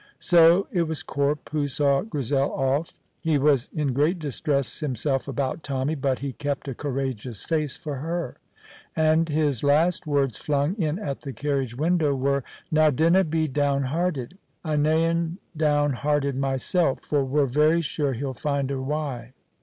So it was Corp who saw Grizel off. He was in great distress himself about Tommy, but he kept a courageous face for her, and his last words flung in at the carriage window were, "Now dinna be down hearted; I'm nain down hearted mysel', for we're very sure he'll find a wy."